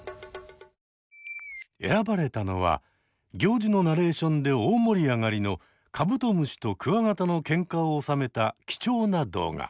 選ばれたのは行司のナレーションで大盛りあがりのカブトムシとクワガタのケンカをおさめた貴重な動画。